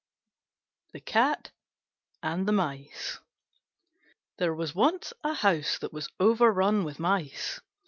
THE CAT AND THE MICE There was once a house that was overrun with Mice.